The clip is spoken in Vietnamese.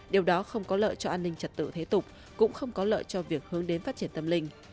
điều đó không có lợi cho an ninh trật tự thế tục cũng không có lợi cho việc hướng đến phát triển tâm linh